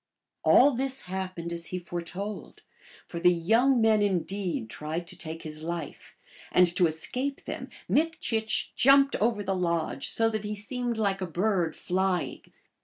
All this happened as he foretold ; for the young men indeed tried to take his life, and to escape them Mik chich jumped over the lodge, so that he seemed like a bird flying.